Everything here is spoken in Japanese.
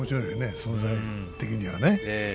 存在的にはね。